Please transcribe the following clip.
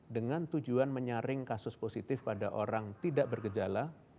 dengan tujuan menyaring kasus positif pada orang tidak bergejala